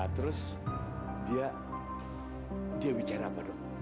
terus dia bicara apa dok